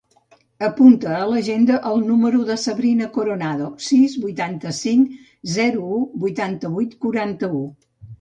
Apunta a l'agenda el número de la Sabrina Coronado: sis, vuitanta-cinc, zero, u, vuitanta-vuit, quaranta-u.